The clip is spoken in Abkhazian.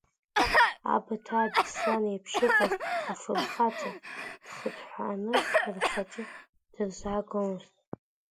Абаҭаа Беслан еиԥш иҟаз афырхаҵа дхыҭҳәааны рхаҿы дырзаагомызт.